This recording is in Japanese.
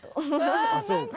あそうか。